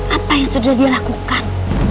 apa yang sudah dia lakukan